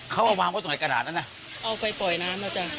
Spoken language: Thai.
เขาว่าว่าไหนกระดาษนั้นน่ะเอาไปปล่อยน้ำแล้วจ้ะ